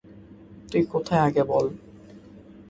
তুই কোথায় আগে বল?